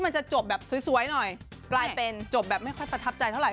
มันจะจบแบบสวยหน่อยกลายเป็นจบแบบไม่ค่อยประทับใจเท่าไห